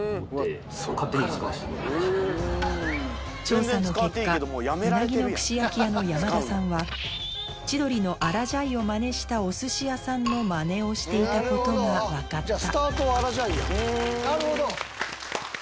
調査の結果うなぎの串焼き屋の山田さんは千鳥の「あらじゃい」をマネしたお寿司屋さんのマネをしていたことが分かったなるほど！